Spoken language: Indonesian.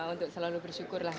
untuk selalu bersyukur lah